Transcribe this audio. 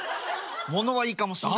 物はいいかもしんないけど。